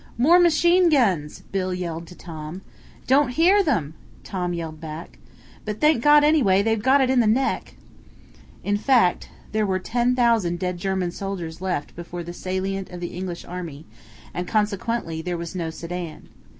"More machine guns!" Bill yelled to Tom. "Don't hear them," Tom yelled back. "But, thank God, anyway; they've got it in the neck." In fact, there were ten thousand dead German soldiers left before that salient of the English army, and consequently there was no Sedan.